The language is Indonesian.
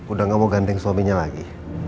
udah gak mau gandeng suaminya lagi